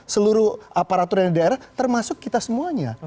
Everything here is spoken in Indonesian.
seluruh aparatur yang di daerah termasuk kita semuanya